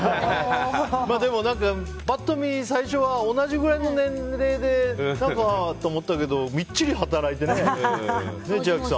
でも、パッと見、最初は同じくらいの年齢で何かと思ったけどみっちり働いてね、千秋さん。